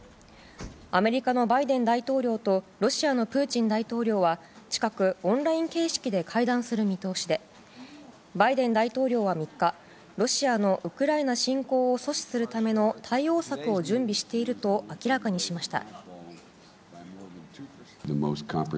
アメリカのバイデン大統領とロシアのプーチン大統領は近くオンライン形式で会談する見通しでバイデン大統領は３日ロシアのウクライナ侵攻を阻止するための対応策を準備していると明らかにしました。